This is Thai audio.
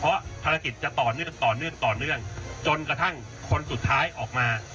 เพราะว่าภารกิจจะต่อเนื่องจนกระทั่งคนสุดท้ายออกมา